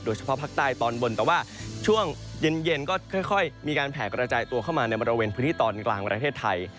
เฉพาะภาคใต้ตอนบนแต่ว่าช่วงเย็นก็ค่อยมีการแผ่กระจายตัวเข้ามาในบริเวณพื้นที่ตอนกลางประเทศไทย